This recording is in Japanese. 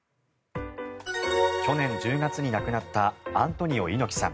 去年１０月に亡くなったアントニオ猪木さん。